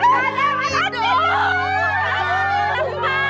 ingetin apa posisi